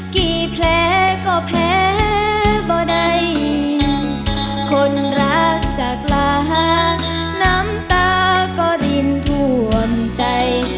แผลก็แพ้บ่ได้ยินคนรักจากลาน้ำตาก็รินท่วมใจ